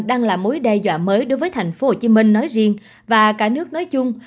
đang là mối đe dọa mới đối với tp hcm nói riêng và cả nước nói chung